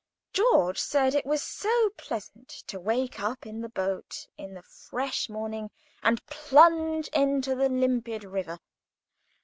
George said it was so pleasant to wake up in the boat in the fresh morning, and plunge into the limpid river.